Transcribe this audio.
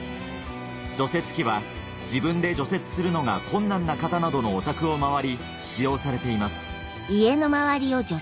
除雪機は自分で除雪するのが困難な方などのお宅を回り使用されています